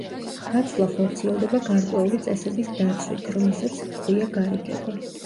გაცვლა ხორციელდება გარკვეული წესების დაცვით, რომელსაც ჰქვია გარიგება.